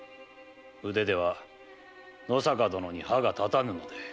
腕では野坂殿に歯が立たぬので。